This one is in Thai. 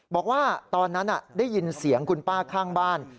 บอกว่าตอนนั้นได้ยินเสียงคุณป้าข้างบ้าน